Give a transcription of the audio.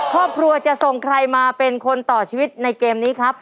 ครอบครัวจะส่งใครมาเป็นคนต่อชีวิตในเกมนี้ครับ